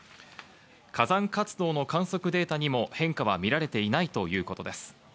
火山活動の観測データにも変化は見られていないということです。